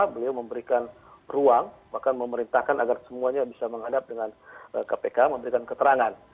beliau memberikan ruang bahkan memerintahkan agar semuanya bisa menghadap dengan kpk memberikan keterangan